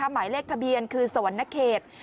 หมายเลขทะเบียนคือสวรรณเขต